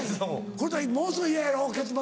黒谷ものすごい嫌やろ結末。